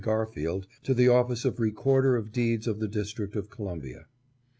Garfield to the office of Recorder of Deeds of the District of Columbia.